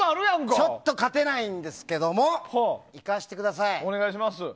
ちょっと勝てないんですけどもいかせてください。